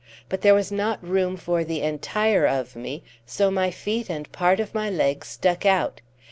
But there was not room for the entire of me, so my feet and part of my legs stuck out.